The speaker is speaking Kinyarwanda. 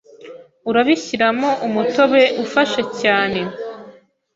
Urabishyiramo umutobe ufashe cyane